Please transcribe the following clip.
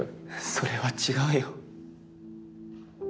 それは違うよ。